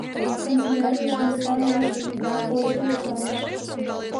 Канцелярийыш омса рошт почылт кайыш.